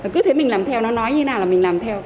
cứ thế mình làm theo nó nói như thế nào là mình làm theo